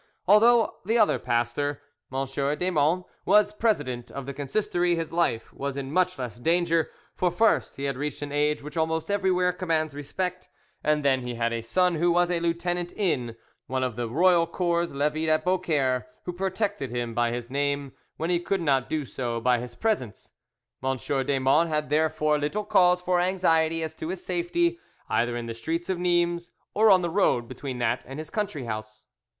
Although the other pastor, M. Desmonts, was president of the Consistory, his life was in much less danger; for, first, he had reached an age which almost everywhere commands respect, and then he had a son who was a lieutenant in, one of the royal corps levied at Beaucaire, who protected him by his name when he could not do so by his presence. M. Desmonts had therefore little cause for anxiety as to his safety either in the streets of Nimes or on the road between that and his country house.